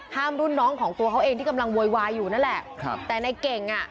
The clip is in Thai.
รุ่นน้องของตัวเขาเองที่กำลังโวยวายอยู่นั่นแหละครับแต่ในเก่งอ่ะ